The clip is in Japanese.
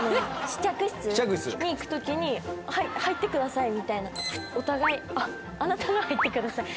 試着室に行くときに「入ってください」みたいなお互い「あなたが入ってください」